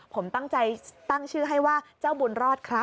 ผมตั้งใจตั้งชื่อให้ว่าเจ้าบุญรอดครับ